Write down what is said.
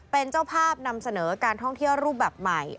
เป็นเจ้าภาพนำเสนอการท่องเที่ยวรูปแบบใหม่